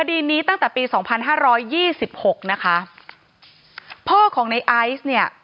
คดีนี้ตั้งแต่ปีสองพันห้าร้อยยี่สิบหกนะคะพ่อของในไอซ์เนี่ย